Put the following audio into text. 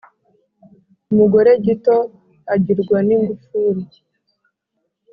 Umugore gito ,agirwa n’ingufuri